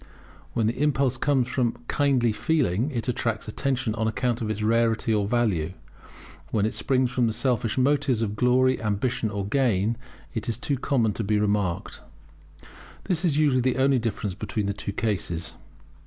When the impulse comes from kindly feeling it attracts attention on account of its rarity or value; when it springs from the selfish motives of glory, ambition, or gain, it is too common to be remarked. This is usually the only difference between the two cases.